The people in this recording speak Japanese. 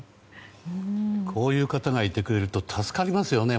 こういう方がいてくれると助かりますよね。